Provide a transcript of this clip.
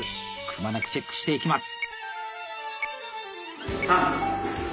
くまなくチェックしていきます！